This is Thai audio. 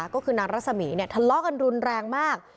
ก็คือนางรัศมีร์ทะเลาะกันรุนแรงมาก